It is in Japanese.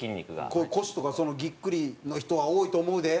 腰とかぎっくりの人は多いと思うで。